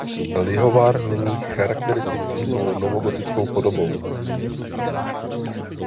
Lihovar není charakteristický svou novogotickou podobou.